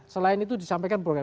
selain itu disampaikan program